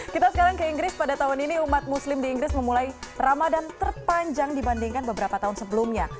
kita sekarang ke inggris pada tahun ini umat muslim di inggris memulai ramadan terpanjang dibandingkan beberapa tahun sebelumnya